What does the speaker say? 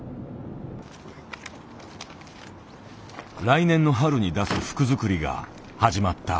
来年の春に出す服作りが始まった。